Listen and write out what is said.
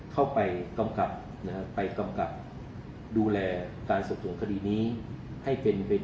เข้าไปกำกับดูแลการสอบสวนคดีนี้